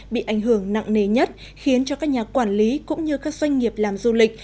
bị ảnh hưởng nặng nề nhất khiến cho các nhà quản lý cũng như các doanh nghiệp làm du lịch